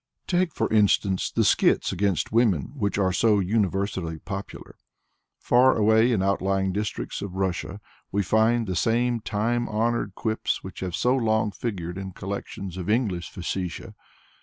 Take, for instance, the skits against women which are so universally popular. Far away in outlying districts of Russia we find the same time honored quips which have so long figured in collections of English facetiæ.